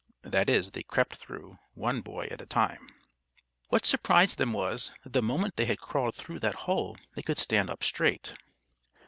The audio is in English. That is, they crept through, one boy at a time. What surprised them was, that the moment they had crawled through that hole they could stand up straight.